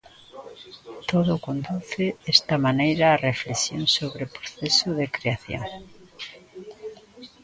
Todo conduce, desta maneira, á reflexión sobre o proceso de creación.